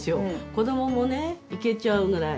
子どももいけちゃうくらい。